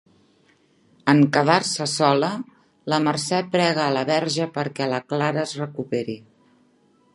En quedar-se sola, la Mercè prega a la Verge perquè la Clara es recuperi.